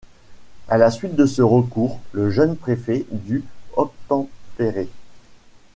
À la suite de ce recours, le jeune préfet dut obtempérer.